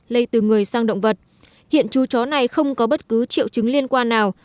lây từ người sang động vật hiện chú chó này không có bất cứ triệu chứng liên quan nào